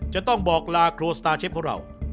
จะต้องบอกลาครัวสตาร์เชฟของเรา